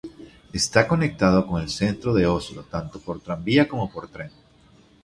Está conectado con el centro de Oslo tanto por tranvía como por tren.